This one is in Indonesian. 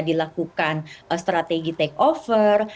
dilakukan strategi takeover